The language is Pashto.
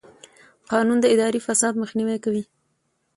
قانون د اداري فساد مخنیوی کوي.